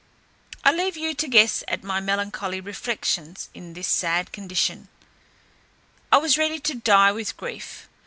I leave you to guess at my melancholy reflections in this sad condition: I was ready to die with grief.